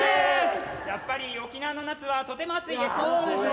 「やっぱり沖縄の夏はとても暑いです」。